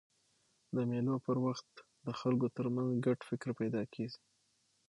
د مېلو پر وخت د خلکو ترمنځ ګډ فکر پیدا کېږي.